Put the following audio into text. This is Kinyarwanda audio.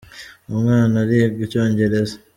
Umwana ariga icyongereza.